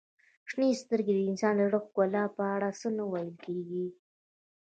• شنې سترګې د انسان د زړه ښکلا په اړه څه نه ویل کیږي.